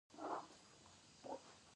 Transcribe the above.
باک ولسوالۍ کوچنۍ ده؟